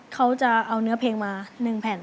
เขาจะเอาเนื้อเพลงมา๑แผ่น